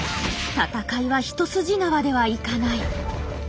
戦いは一筋縄ではいかない。